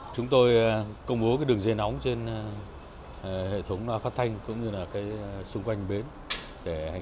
chúng tôi công bố cái đường dây nóng trên hệ thống phát thanh cũng như là cái xung quanh bến để hành khách